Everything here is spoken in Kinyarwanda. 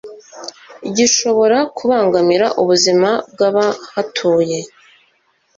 gishobora kubangamira ubuzima bwabahatuye